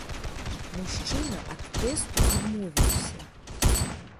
Мужчына ад тэсту адмовіўся.